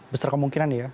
besar kemungkinan ya